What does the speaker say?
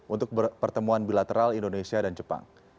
untuk pertemuan bilateral indonesia dan jepang